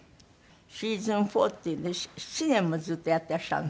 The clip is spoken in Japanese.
シーズン４っていうんで７年もずっとやってらっしゃるの。